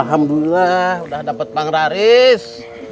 alhamdulillah udah dapet pang raris